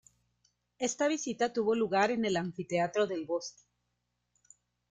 Esta visita tuvo lugar en el Anfiteatro del Bosque.